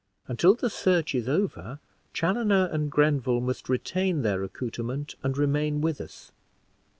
Until the search is over, Chaloner and Grenville must retain their accouterments and remain with us.